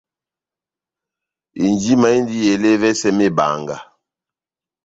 Injima indi ele ́evɛsɛ mebanga.